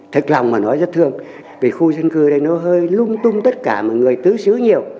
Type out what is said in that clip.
thật lòng mà nói rất thương vì khu dân cư ở đây nó hơi lung tung tất cả mà người tứ xứ nhiều